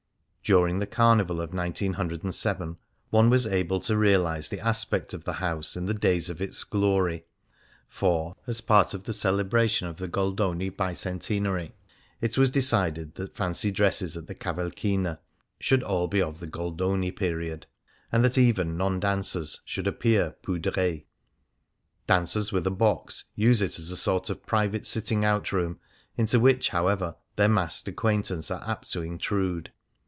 During the carnival of 1907 one was able to realize the aspect of the house in the days of its glory, for, as part of the celebration of the Goldoni Bicentenary, it was decided that fancy dresses at the Caval china should all be of the Goldoni period, and that even non dancers should appear poudrees. Dancers with a box use it as a sort of private sitting out room, into which, however, their masked acquaintance are apt to intrude.